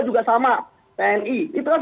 juga sama tni itu kan